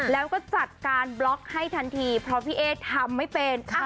แล้วก็จัดการบล็อกให้ทันทีเพราะพี่เอ๊ทำไม่เป็น